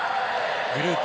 グループ